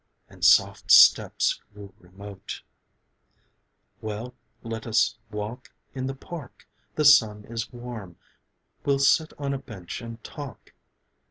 . and soft steps grew remote .. 'Well, let us walk in the park ... The sun is warm, We'll sit on a bench and talk